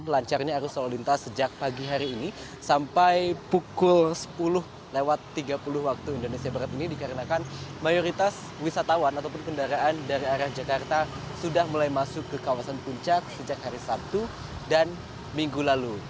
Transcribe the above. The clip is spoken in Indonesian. lancarnya arus lalu lintas sejak pagi hari ini sampai pukul sepuluh lewat tiga puluh waktu indonesia barat ini dikarenakan mayoritas wisatawan ataupun kendaraan dari arah jakarta sudah mulai masuk ke kawasan puncak sejak hari sabtu dan minggu lalu